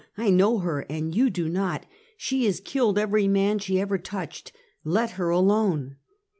I know her, and you do not. She has killed every man she ever touched. Let her alone!"